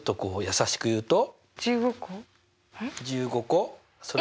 １５個。